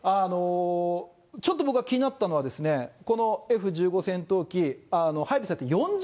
ちょっと僕が気になったのは、このＦ１５戦闘機、配備されて４０年。